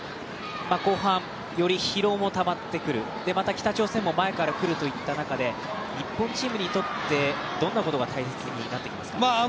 後半、より疲労もたまってくる、また北朝鮮も前から来るといった中で、日本チームにとって、どんなことが大切になってきますか？